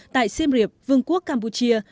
tại siem reap vương quốc campuchia